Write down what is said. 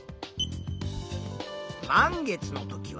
満月の時はこれ。